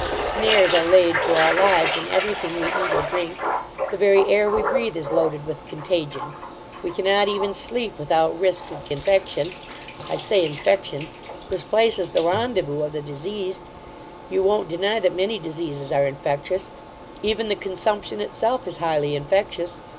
Snares are laid for our lives in every thing we cat or drink: the very air we breathe, is loaded with contagion. We cannot even sleep, without risque of infection. I say, infection This place is the rendezvous of the diseased You won't deny, that many diseases are infectious; even the consumption itself, is highly infectious.